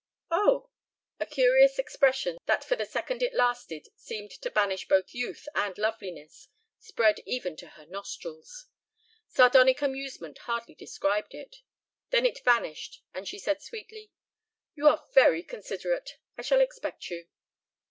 "Oh!" A curious expression that for the second it lasted seemed to banish both youth and loveliness spread even to her nostrils. Sardonic amusement hardly described it. Then it vanished and she said sweetly: "You are very considerate. I shall expect you."